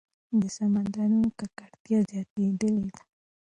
د سمندرونو ککړتیا زیاتېدلې ده.